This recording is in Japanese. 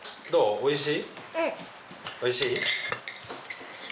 おいしい？